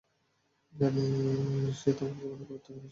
জানি সে তোমার জীবনে গুরুত্বপূর্ণ ছিল।